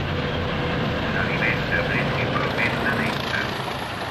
S'alimenta principalment de nèctar.